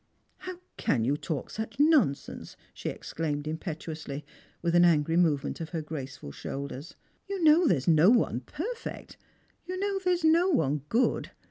"How can you talk such nonsense?" she exclaimed im petuously, with an angry movement of her graceful shoulders. '' You know there is no one perfect, you know there is no one good.